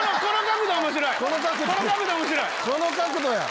この角度や！